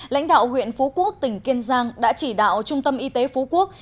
lãnh đạo huyện phú quốc tỉnh kiên giang đã chỉ đạo trung tâm y tế phú quốc